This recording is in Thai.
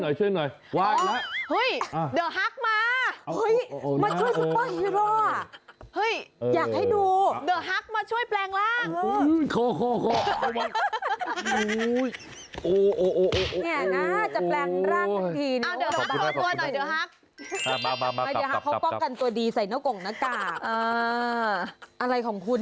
ไม่เนียนช่วยหน่อยช่วยหน่อย